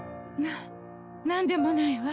な何でもないわ。